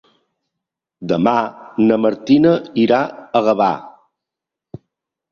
Demà na Martina irà a Gavà.